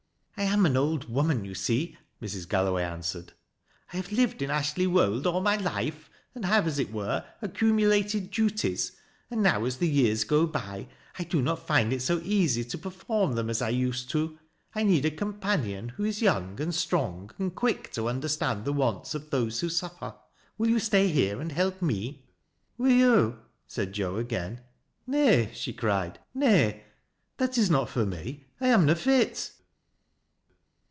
" I am an old woman, you see," Mrs. Galloway answered, *'I have lived in Ashley Wold all my life, and have, as il were, accumulated duties, and now as the yeai s go by, I do not find it so easy to perform them as I used to. I need a companion who is youug and strong, and quick to understand the wants of those who suffer. Will you stay here and help me ?"" Wi' yo' ?" said Joan again, " Nay," she cried ;" nay — that is not fur me. I am na fit."